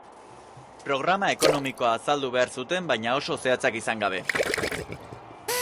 Programa ekonomikoa azaldu behar zuten, baina oso zehatzak izan gabe.